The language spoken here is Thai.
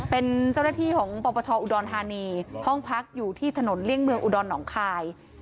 เป็นเจ้าหน้าที่ของปปชอุดรธานีห้องพักอยู่ที่ถนนเลี่ยงเมืองอุดรหนองคาย